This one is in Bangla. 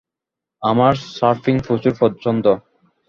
আমার সার্ফিং প্রচুর পছন্দ!